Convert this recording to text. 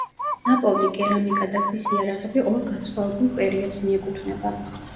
ნაპოვნი კერამიკა და ქვის იარაღები ორ განსხვავებულ პერიოდს მიეკუთვნება.